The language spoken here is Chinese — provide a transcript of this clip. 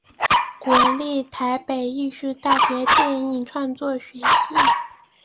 国立台北艺术大学电影创作学系